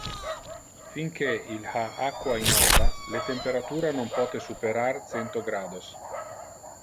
Fin que il ha aqua in olla, le temperatura non pote superar cento grados.